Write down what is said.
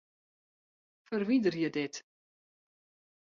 Ferwiderje dit.